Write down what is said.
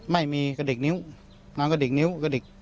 ไม่มีกระดิกนิ้วนางกระดิกนิ้วกระดิก